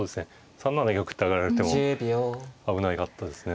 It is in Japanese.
３七玉って上がられても危なかったですね。